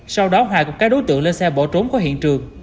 sau đó hòa cùng các đối tượng lên xe bỏ trốn qua hiện trường